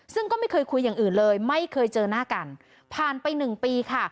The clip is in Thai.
ซึ่งก็ไม่เคยคุยอย่างอื่นเลยไม่เคยเจอหน้ากันผ่านไปหนึ่งปีค่ะ